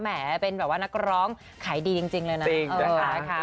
แหมเป็นแบบว่านักร้องขายดีจริงเลยนะ